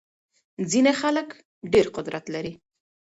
ځينې خلګ ډېر قدرت لري.